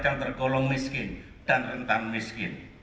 yang tergolong miskin dan rentan miskin